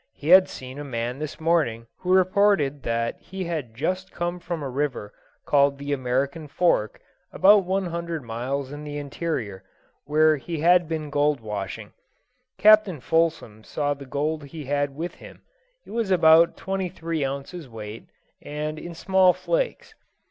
He had seen a man this morning who reported that he had just come from a river called the American Fork, about one hundred miles in the interior, where he had been gold washing. Captain Fulsom saw the gold he had with him; it was about twenty three ounces weight, and in small flakes.